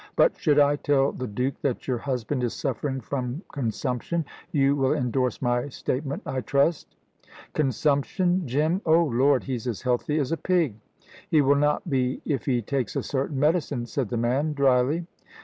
"But, should I tell the Duke that your husband is suffering from consumption, you will endorse my statement, I trust." "Consumption? Jim? Oh, Lord, he's as healthy as a pig." "He will not be if he takes a certain medicine," said the man, dryly.